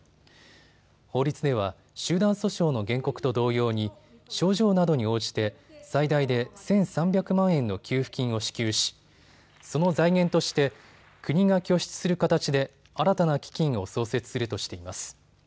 法律では集団訴訟の原告と同様に症状などに応じて最大で１３００万円の給付金を支給しその財源として国が拠出する形で新たな基金を創設するとしています。